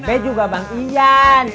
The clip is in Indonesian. be juga bang ian